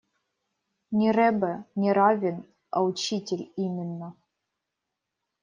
Не ребе, не раввин, а учитель именно.